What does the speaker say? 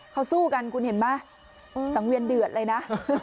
เขาสู้กันคุณเห็นไหมสังเวียนเดือดเลยนะ